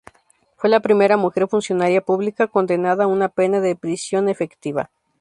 Fue la primera mujer funcionaria pública condenada a una pena de prisión efectiva.